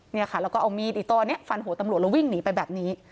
เนี่ยค่ะแล้วก็เอามีดยิกตอนเนี้ยฟันโหดตำรวจเราวิ่งหนีไปแบบนี้